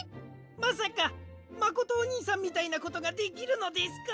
まさかまことおにいさんみたいなことができるのですか？